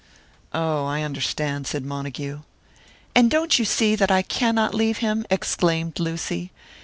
"Oh, I understand," said Montague. "And don't you see that I cannot leave him?" exclaimed Lucy.